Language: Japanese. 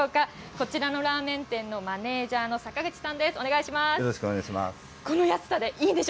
こちらのラーメン店のマネージャーの坂口さんです。